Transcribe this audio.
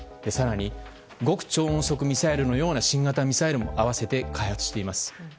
更に、極超音速ミサイルのような新型ミサイルも併せて開発しています。